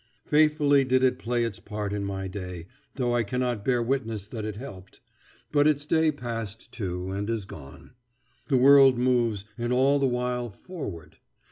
Faithfully did it play its part in my day, though I cannot bear witness that it helped. But its day passed, too, and is gone. The world moves and all the while forward.